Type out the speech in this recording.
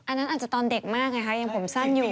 อันนั้นอาจจะตอนเด็กมากไงคะยังผมสั้นอยู่